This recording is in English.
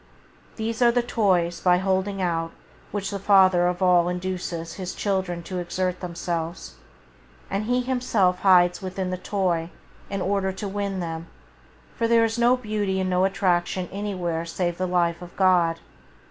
These are the toys by holding out which the Father of all induces His children to exert themselves, and He Himself hides within the toy in order to win them; for there is no beauty and no attraction anywhere save the life of God.